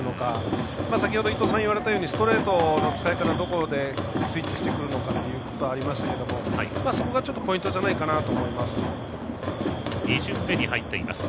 先ほど伊東さんが言われたようにどこでストレートの使い方をスイッチしてくるのかというところがありましたけどそこがポイントじゃないかなと思います。